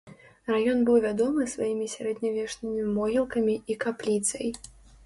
Раён быў вядомы сваімі сярэднявечнымі могілкамі і капліцай.